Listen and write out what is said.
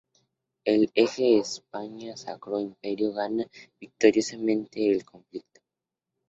El eje España-Sacro Imperio gana victoriosamente el conflicto.